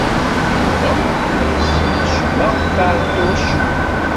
Yuba ur yessin acemma ɣef Ɛeṭṭuc.